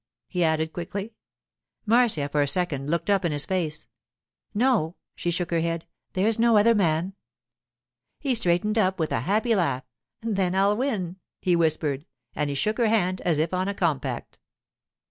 he added quickly. Marcia for a second looked up in his face. 'No,' she shook her head, 'there's no other man.' He straightened up, with a happy laugh. 'Then I'll win,' he whispered, and he shook her hand as if on a compact.